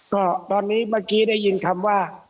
ก็ตอนนี้เมื่อกี้ได้ยินคำว่า